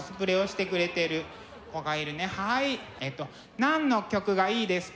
何の曲がいいですか？